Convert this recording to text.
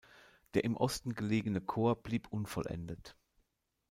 Der im Osten gelegene Chor blieb unvollendet.